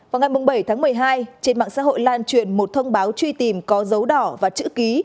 vào ngày bảy tháng một mươi hai trên mạng xã hội lan truyền một thông báo truy tìm có dấu đỏ và chữ ký